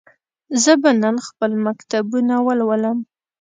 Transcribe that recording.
زه به نن خپل مکتوبونه ولولم.